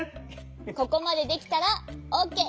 ここまでできたらオッケー。